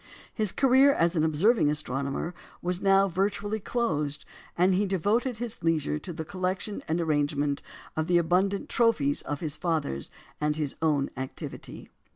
His career as an observing astronomer was now virtually closed, and he devoted his leisure to the collection and arrangement of the abundant trophies of his father's and his own activity.